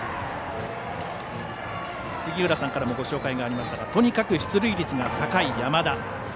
杉浦さんからもご紹介がありましたがとにかく出塁率が高い山田。